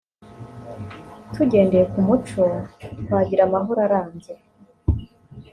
tugendeye ku muco twagira amahoro arambye